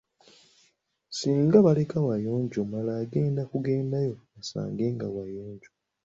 Singa baleka wayonjo, omulala agenda okugendayo asanga nga wayonjo.